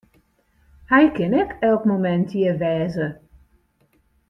Hy kin ek elk momint hjir wêze.